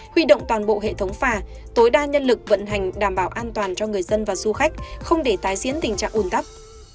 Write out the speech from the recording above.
huy động toàn bộ hệ thống phà tối đa nhân lực vận hành đảm bảo an toàn cho người dân và du khách không để tái diễn tình trạng ủn tắc